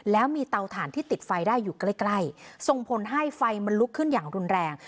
แล้วมีเตาถ่านที่ติดไฟได้อยู่ใกล้ใกล้ส่งผลให้ไฟมันลุกขึ้นอย่างรุนแรง